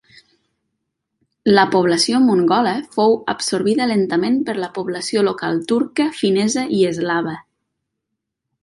La població mongola fou absorbida lentament per la població local turca, finesa i eslava.